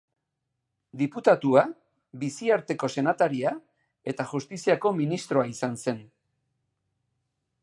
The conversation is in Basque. Diputatua, biziarteko senataria eta Justiziako ministroa izan zen.